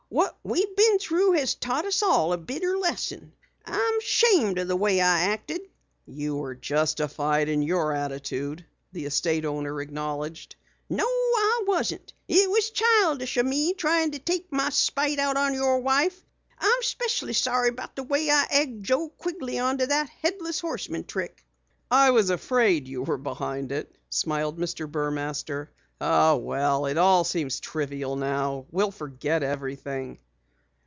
"What we've been through has taught us all a bitter lesson. I'm ashamed of the way I acted." "You were justified in your attitude," the estate owner acknowledged. "No, I wasn't. It was childish o' me tryin' to take my spite out on your wife. I'm especially sorry about the way I egged Joe Quigley onto that Headless Horseman trick." "I was afraid you were behind it," smiled Mr. Burmaster. "Oh, well, it all seems trivial now. We'll forget everything."